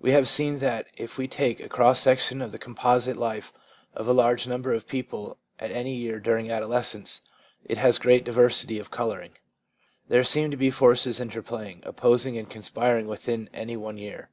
We have seen that if we take a cross section of the composite life of a large number of people at any year during adolescence, it has great diversity of colouring ; there seem to be forces interplaying, opposing and conspiring within any one year.